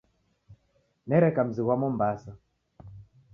Nereka mzi ghwa Mombasa.